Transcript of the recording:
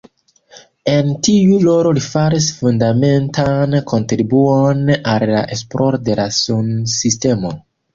En tiu rolo li faris fundamentan kontribuon al la esploro de la sunsistemo.